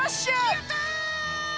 やった！